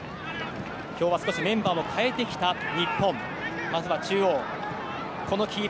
今日は少しメンバーも変えてきた日本。